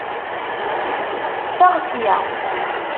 Ffeɣ ssya!